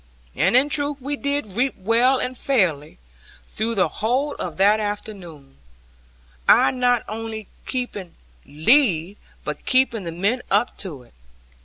And in truth we did reap well and fairly, through the whole of that afternoon, I not only keeping lead, but keeping the men up to it.